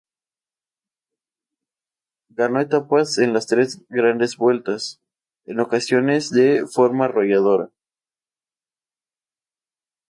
Ganó etapas en las tres Grandes Vueltas, en ocasiones de forma arrolladora.